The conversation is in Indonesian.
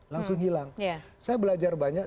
langsung hilang saya belajar banyak